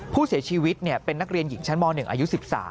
ผู้เสียชีวิตเป็นนักเรียนหญิงชั้นม๑อายุ๑๓